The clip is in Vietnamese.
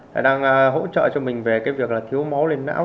là đang hỗ trợ cho mình về cái việc là thiếu máu lên não